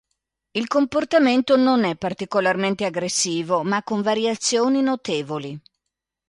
Il comportamento non è particolarmente aggressivo, ma con variazioni notevoli.